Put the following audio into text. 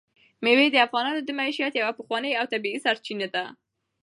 مېوې د افغانانو د معیشت یوه پخوانۍ او طبیعي سرچینه ده.